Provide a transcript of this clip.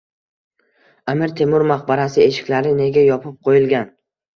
Amir Temur maqbarasi eshiklari nega yopib qo‘yilgan?